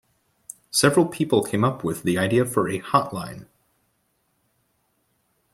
Several people came up with the idea for a hotline.